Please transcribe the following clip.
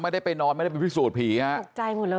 ไม่ได้ไปนอนไม่ได้สูตรผีครับอุ๊บใจหมดเลย